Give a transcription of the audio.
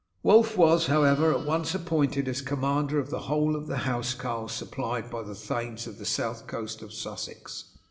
Wulf was, however, at once appointed as commander of the whole of the housecarls supplied by the thanes of the south coast of Sussex.